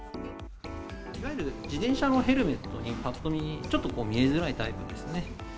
いわゆる自転車のヘルメットにぱっと見、ちょっと見えづらいタイプですね。